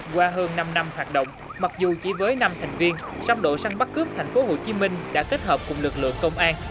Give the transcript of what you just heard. qua hơn năm năm hoạt động mặc dù chỉ với năm thành viên song đội săn bắt cướp tp hcm đã kết hợp cùng lực lượng công an